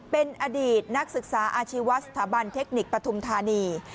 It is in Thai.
เป็นอดีตนักศึกษาอาชีวสถาบันเทคนิคปฐุมธานี